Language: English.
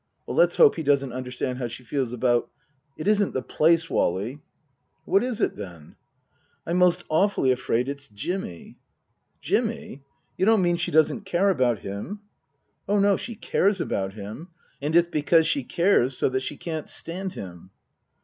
" Let's hope he doesn't understand how she feels about It isn't the place, Wally." " What is it, then ?"" I'm most awfully afraid it's Jimmy." " Jimmy ? You don't mean she doesn't care about him ?"" Oh, no, she cares about him, and it's because she cares so that she can't stand him."